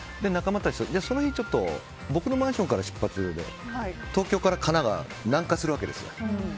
その日、僕のマンションから出発で東京から神奈川に南下するわけですよ。